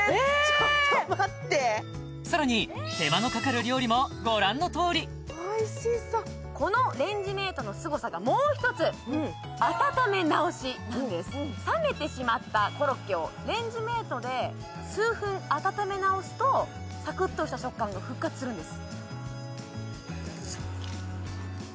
ちょっと待ってさらに手間のかかる料理もご覧のとおりおいしそうこのレンジメートのスゴさがもう一つ温めなおしなんです冷めてしまったコロッケをレンジメートで数分温めなおすとサクッとした食感が復活するんです